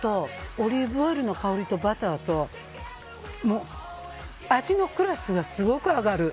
オリーブオイルの香りとバターと味のクラスがすごく上がる。